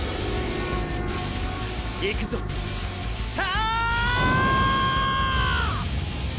いくぞスター！